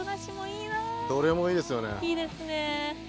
どれもいいですよね。